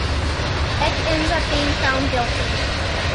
Eek ends up being found guilty.